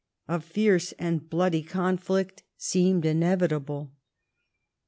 A fierce and bloody conflict seemed inevitable.